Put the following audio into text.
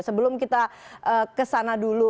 sebelum kita kesana dulu